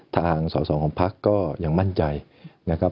ทางสอสอของพักก็ยังมั่นใจนะครับ